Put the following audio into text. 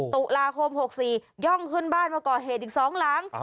ตุลาคม๖๔ย่องขึ้นบ้านมาก่อเหตุอีก๒หลัง